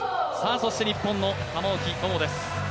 そして日本の玉置桃です。